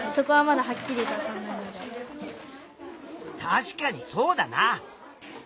確かにそうだな！